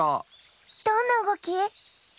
どんなうごき？